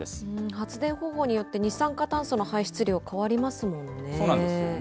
発電方法によって、二酸化炭素の排出量変わりますもんね。